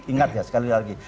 ingat ya sekali lagi